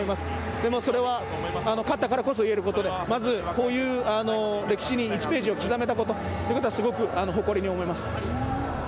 でも、それは勝ったからこそ言えることで、歴史に１ページを刻めたことはすごく誇りに思います。